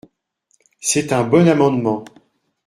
C’est un bon amendement.